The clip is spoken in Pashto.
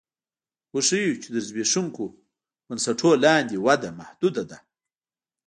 وښیو چې تر زبېښونکو بنسټونو لاندې وده محدوده ده